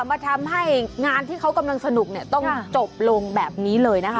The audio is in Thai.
มาทำให้งานที่เขากำลังสนุกเนี่ยต้องจบลงแบบนี้เลยนะคะ